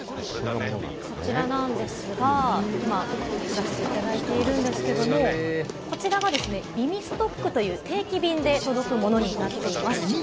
はい、こちらなんですが、今、出していただいているんですけど、こちらがＢｉｍｉＳｔｏｃｋという定期便で届くものになっています。